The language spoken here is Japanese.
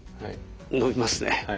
伸びますね。